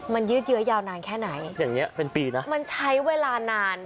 มันยืดเยอะยาวนานแค่ไหนอย่างเงี้เป็นปีนะมันใช้เวลานาน